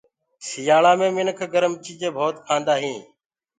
سٚيآلآ مي منک گرم چيجينٚ ڀوت کآندآ هينٚ